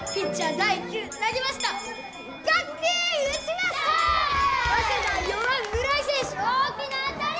大きな当たり！